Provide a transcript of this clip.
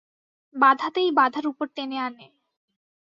বাধাতেই বাধার উপর টেনে আনে।